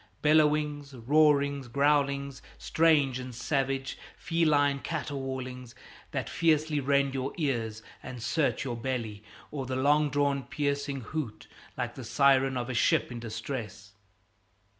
Bellowings, roarings, growlings, strange and savage; feline caterwaulings that fiercely rend your ears and search your belly, or the long drawn piercing hoot like the siren of a ship in distress.